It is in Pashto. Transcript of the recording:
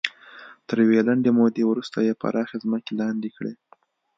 تر یوې لنډې مودې وروسته یې پراخې ځمکې لاندې کړې.